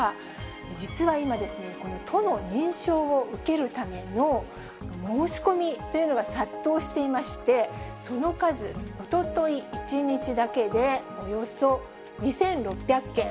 実は今ですね、この都の認証を受けるための申し込みというのが殺到していまして、その数、おととい１日だけでおよそ２６００件。